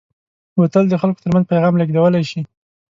بوتل د خلکو ترمنځ پیغام لېږدولی شي.